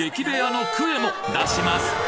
レアのクエも出します